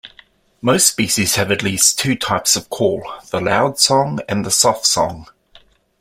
Most species have at least two types of call, the "loudsong" and the "softsong".